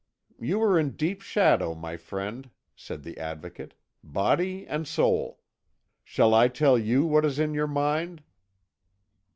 "You are in deep shadow, my friend," said the Advocate, "body and soul. Shall I tell you what is in your mind?"